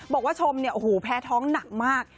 บอกว่าชมเนี่ยโอ้โหแพ้ท้องหนักมาก